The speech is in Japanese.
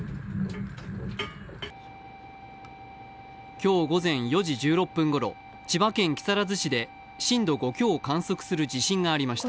今日午前４時１６分ごろ、千葉県木更津市で震度５強を観測する地震がありました。